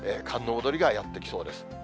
寒の戻りがやってきそうです。